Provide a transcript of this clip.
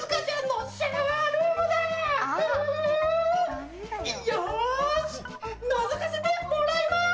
のぞかせてもらいます！